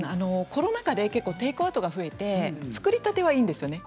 コロナ禍でテイクアウトが増えて作りたてはいいんですよね。